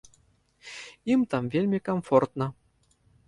Ім там вельмі камфортна.